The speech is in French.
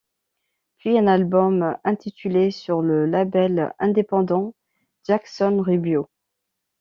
Puis un album intitulé ' sur le label indépendant Jackson Rubio.